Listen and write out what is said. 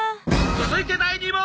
「続いて第二問！」